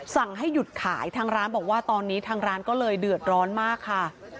สั่งให้หยุดขายทางร้านบอกว่าตอนนี้ทางร้านก็เลยเดือดร้อนมากค่ะ